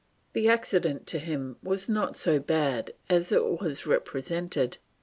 The accident to him was not so bad as it was represented.